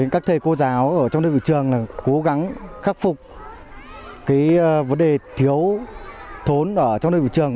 các thầy cô giáo ở trong đơn vị trường cố gắng khắc phục vấn đề thiếu thốn trong đơn vị trường